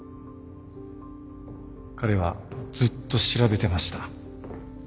彼はずっと調べてました。